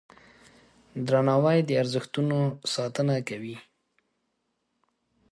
درناوی د ارزښتونو ساتنه کوي.